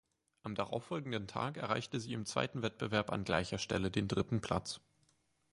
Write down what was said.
Am darauffolgenden Tag erreichte sie im zweiten Wettbewerb an gleicher Stelle den dritten Platz.